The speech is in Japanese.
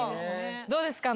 どうですか？